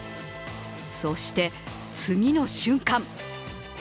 そして次の瞬間